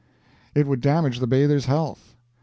It would damage the bather's health.